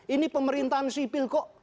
ini pemerintahan sipil kok